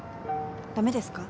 駄目ですか？